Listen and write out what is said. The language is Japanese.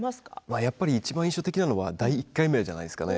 やっぱりいちばん印象的なのは第１回目じゃないですかね。